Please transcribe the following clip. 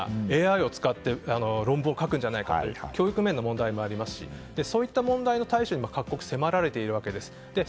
学生さんがＡＩを使って論文を書くんじゃないかという教育の問題もありますしそういった問題への対処も各国迫られているわけです。